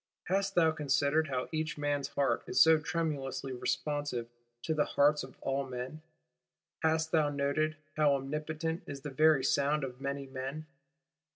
Hast thou considered how each man's heart is so tremulously responsive to the hearts of all men; hast thou noted how omnipotent is the very sound of many men?